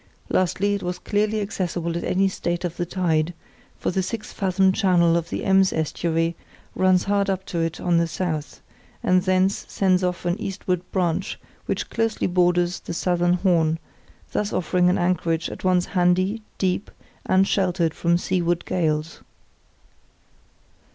Lastly, it was clearly accessible at any state of the tide, for the six fathom channel of the Ems estuary runs hard up to it on the south, and thence sends off an eastward branch which closely borders the southern horn, thus offering an anchorage at once handy, deep, and sheltered from seaward gales.